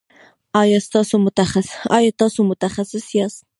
ایا تاسو متخصص یاست؟